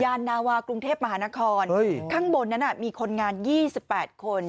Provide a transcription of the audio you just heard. ยานาวากรุงเทพมหานครเฮ้ยข้างบนนั้นอ่ะมีคนงานยี่สิบแปดคน